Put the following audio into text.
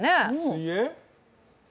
水泳？